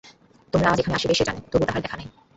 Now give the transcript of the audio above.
তোমরা আজ এখানে আসিবে সে জানে, তবু তাহার দেখা নাই।